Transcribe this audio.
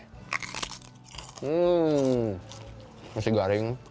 hmm masih garing